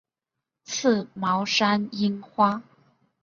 刺毛山樱花